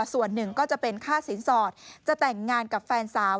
ส่วนหนึ่งก็จะเป็นค่าสินสอดจะแต่งงานกับแฟนสาว